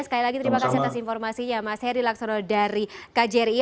sekali lagi terima kasih atas informasinya mas heri laksono dari kjri